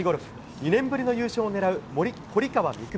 ２年ぶりの優勝を狙う堀川未来